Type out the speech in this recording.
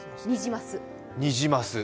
ニジマス？